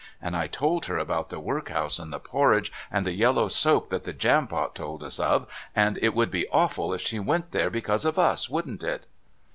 And I told her about the workhouse and the porridge and the yellow soap that the Jampot told us of, and it would be awful if she went there because of us, wouldn't it?"